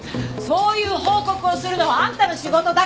そういう報告をするのはあんたの仕事だからね！